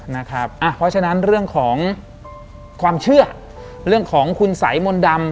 เพราะฉะนั้นเรื่องของความเชื่อเรื่องของคุณสัยมนต์ดำ